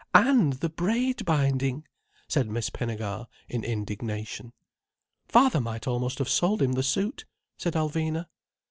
"And the braid binding!" said Miss Pinnegar in indignation. "Father might almost have sold him the suit," said Alvina.